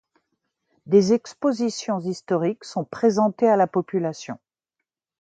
Des expositions historiques sont présentées à la population.